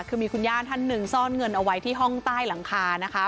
คือมีคุณย่าท่านหนึ่งซ่อนเงินเอาไว้ที่ห้องใต้หลังคานะคะ